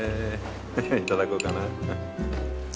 フフッいただこうかな。